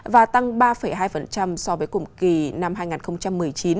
và tăng ba hai so với cùng kỳ năm hai nghìn một mươi chín